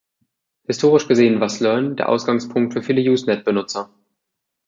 Historisch gesehen war Slrn der Ausgangspunkt für viele Usenet-Benutzer.